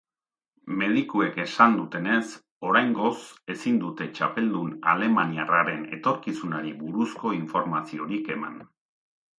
Medikuek esan dutenez, oraingoz ezin dute txapeldun alemaniarraren etorkizunari buruzko informaziorik eman.